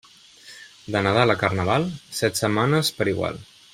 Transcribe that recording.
De Nadal a Carnaval, set setmanes per igual.